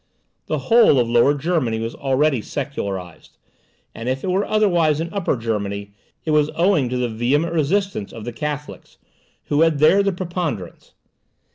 The whole of Lower Germany was already secularized; and if it were otherwise in Upper Germany, it was owing to the vehement resistance of the Catholics, who had there the preponderance.